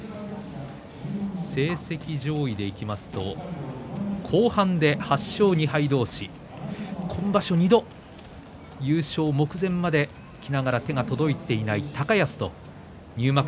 成績上位でいきますと後半で８勝２敗同士今場所２度優勝目前まできながら手が届いていない高安と入幕